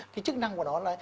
cái chức năng của nó là